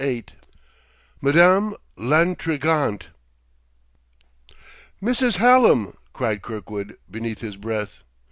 VIII MADAME L'INTRIGANTE "Mrs. Hallam!" cried Kirkwood, beneath his breath.